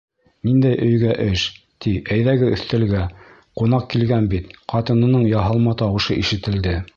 — Ниндәй өйгә эш, ти, әйҙәгеҙ өҫтәлгә, ҡунаҡ килгән бит, -ҡатынының яһалма тауышы ишетелде.